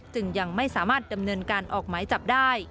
จึงยังไม่สามารถดำเนินการออกหมายจับได้